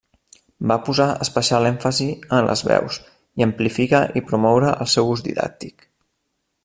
Va posar especial èmfasi en les veus, i amplifica i promoure el seu ús didàctic.